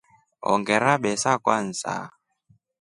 Ongerabesa Kwanza.